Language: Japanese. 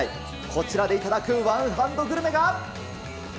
こちらで頂くワンハンドグルメが。